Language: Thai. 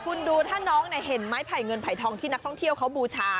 คุณดูถ้าน้องเห็นไม้ไผ่เงินไผ่ทองที่นักท่องเที่ยวเขาบูชา